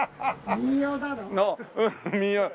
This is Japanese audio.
民謡だろ。